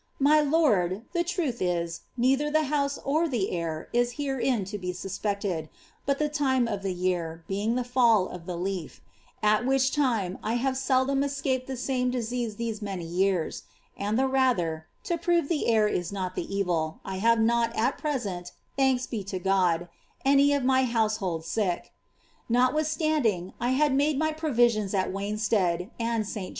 My lonl, the truth is, neither tlie bouie or the air is herein to be suspected, but the time of the year, being the fall of the leaf; at which time, 1 have seldom escaped the &ame disease these many years —and the rather, to prove tlie air is not the evil, I have not at present (thaniLf be to God) any of my household sick. Notwithstanding, I had made my pro visions at Wanstead and bt.